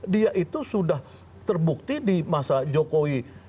dia itu sudah terbukti di masa jokowi